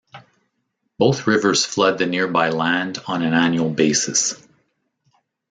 Both rivers flood the nearby land on an annual basis.